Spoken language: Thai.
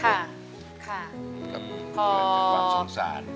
เพราะความสงสาร